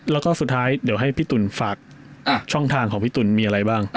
แล้วก็สุดท้ายเดี๋ยวให้พี่ตุ๋นฝากช่องทางของพี่ตุ๋นมีอะไรบ้าง